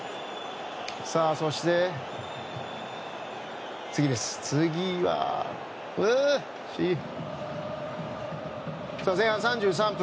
そして、前半３３分。